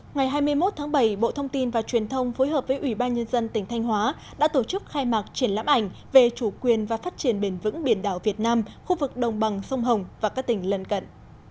ngày hai mươi một tháng bảy bộ thông tin và truyền thông phối hợp với ủy ban nhân dân tỉnh thanh hóa đã tổ chức khai mạc triển lãm ảnh về chủ quyền và phát triển bền vững biển đảo việt nam khu vực đồng bằng sông hồng và các tỉnh lần cận